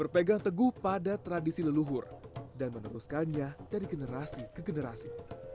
berpegang teguh pada tradisi leluhur dan meneruskannya dari generasi ke generasi